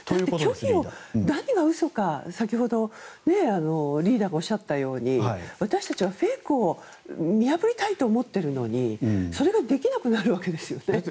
だって、何が嘘か、先ほどリーダーがおっしゃったように私たちはフェイクを見破りたいと思っているのにそれができなくなるわけですよ。